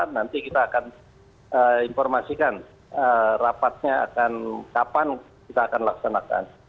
nanti kita akan informasikan rapatnya akan kapan kita akan laksanakan